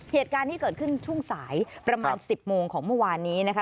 เหตุการณ์ที่เกิดขึ้นช่วงสายประมาณ๑๐โมงของเมื่อวานนี้นะคะ